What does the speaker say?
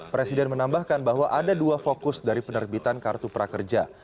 presiden menambahkan bahwa ada dua fokus dari penerbitan kartu prakerja